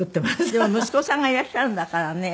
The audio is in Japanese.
でも息子さんがいらっしゃるんだからね。